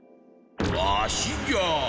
わしじゃ！